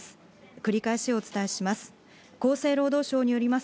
繰り返しお伝えします。